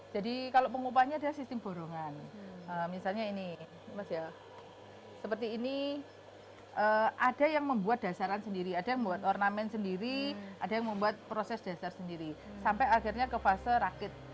jadi kalau pengupahnya adalah sistem borongan misalnya ini seperti ini ada yang membuat dasaran sendiri ada yang membuat ornamen sendiri ada yang membuat proses dasar sendiri sampai akhirnya ke fase rakit